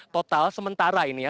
total sementara ini ya